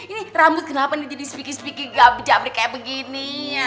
ini rambut kenapa jadi speaky speaky gabit gabit kayak begini